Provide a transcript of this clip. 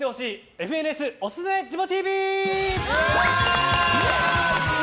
ＦＮＳおすすめジモＴＶ！